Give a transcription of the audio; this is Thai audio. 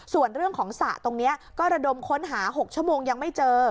ส่วนเรื่องของสระตรงนี้ก็ระดมค้นหา๖ชั่วโมงยังไม่เจอ